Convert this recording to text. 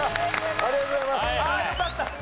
ありがとうございます。